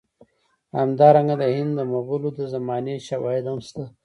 همدارنګه د هند د مغولو د زمانې شواهد هم شته.